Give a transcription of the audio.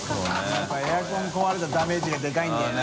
笋辰エアコン壊れたダメージがでかいんだよな。